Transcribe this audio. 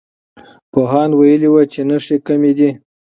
پوهاند ویلي وو چې نښې کمي دي.